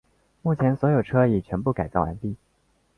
目前所有车已全部改造完毕。